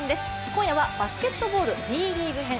今夜はバスケットボールＢリーグ編。